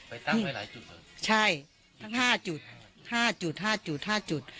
ไปตั้งไว้หลายจุดเลยใช่ทั้ง๕จุด๕จุด๕จุด๕จุด